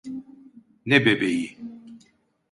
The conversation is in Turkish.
Ne bebeği?